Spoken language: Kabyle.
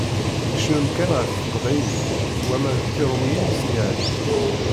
Cennun kan ɣef Teqbaylit, wamma d Tiṛumiyin i sen-iɛeǧben.